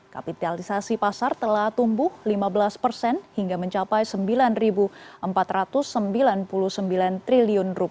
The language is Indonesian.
kapitalisasi pasar telah tumbuh lima belas persen hingga mencapai rp sembilan empat ratus sembilan puluh sembilan triliun